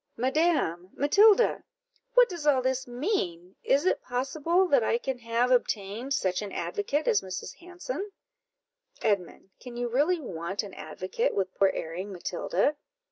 "Madam! Matilda! what does all this mean? is it possible that I can have obtained such an advocate as Mrs. Hanson?" "Edmund, can you really want an advocate with poor erring Matilda?